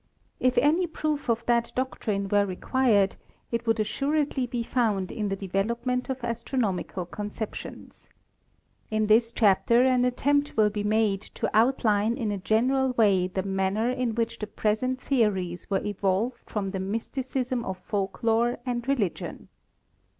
If any proof of that doctrine were re quired, it would assuredly be found in the development of astronomical conceptions. In this chapter an attempt will be made to outline in a general way the manner in which the present theories were evolved from the mysticism of folk lore and religion.